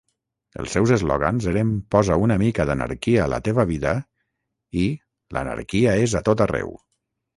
Els seus eslògans eren "posa una mica d'anarquia a la teva vida" i "l'anarquia és a tot arreu".